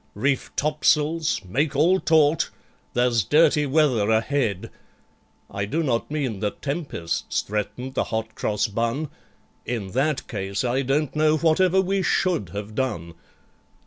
Reef topsails! Make all taut! There's dirty weather ahead! (I do not mean that tempests threatened the Hot Cross Bun: In that case, I don't know whatever we should have done!)